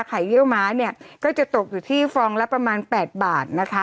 เยี่ยวม้าเนี่ยก็จะตกอยู่ที่ฟองละประมาณ๘บาทนะคะ